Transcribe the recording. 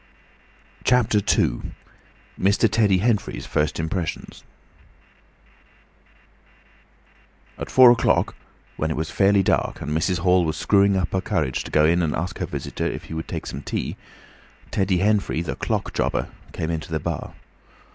CHAPTER II. MR. TEDDY HENFREY'S FIRST IMPRESSIONS At four o'clock, when it was fairly dark and Mrs. Hall was screwing up her courage to go in and ask her visitor if he would take some tea, Teddy Henfrey, the clock jobber, came into the bar.